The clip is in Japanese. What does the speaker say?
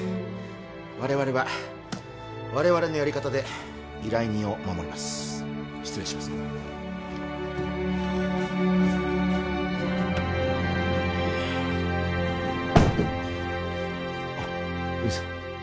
我々は我々のやり方で依頼人を守ります失礼しますあっエリさん